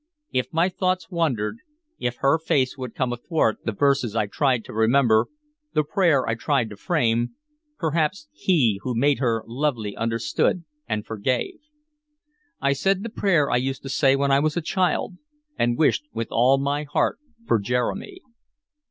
If my thoughts wandered, if her face would come athwart the verses I tried to remember, the prayer I tried to frame, perhaps He who made her lovely understood and forgave. I said the prayer I used to say when I was a child, and wished with all my heart for Jeremy.